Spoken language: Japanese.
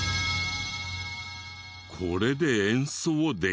これで演奏できる？